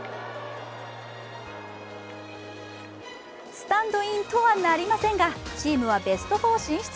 スタンドインとはなりませんがチームはベスト４進出。